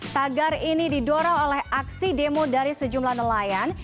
tagar ini didorong oleh aksi demo dari sejumlah nelayan